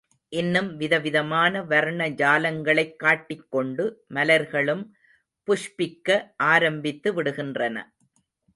இன்னும் வித விதமான வர்ண ஜாலங்களைக் காட்டிக் கொண்டு மலர்களும் புஷ்பிக்க ஆரம்பித்து விடுகின்றன.